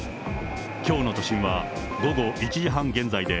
きょうの都心は、午後１時半現在で、